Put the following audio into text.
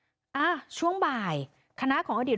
คุยกับตำรวจเนี่ยคุยกับตำรวจเนี่ย